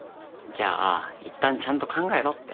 じゃあいったんちゃんと考えろって。